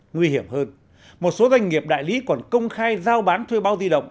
nguy hiểm hơn một số doanh nghiệp đại lý còn công khai giao bán thuê bao di động